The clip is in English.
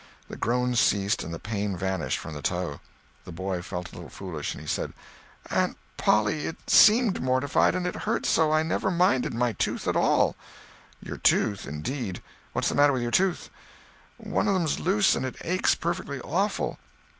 The groans ceased and the pain vanished from the toe. The boy felt a little foolish, and he said: "Aunt Polly, it seemed mortified, and it hurt so I never minded my tooth at all." "Your tooth, indeed! What's the matter with your tooth?" "One of them's loose, and it aches perfectly awful."